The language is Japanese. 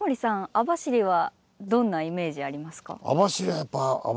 網走はどんなイメージありますか？